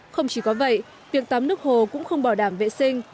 không chỉ có vậy việc tắm nước hồ cũng không bảo đảm vệ sinh